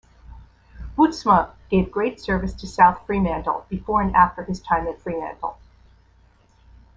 Bootsma gave great service to South Fremantle before and after his time at Fremantle.